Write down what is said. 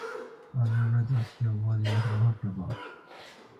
And now, let us hear what you are unhappy about.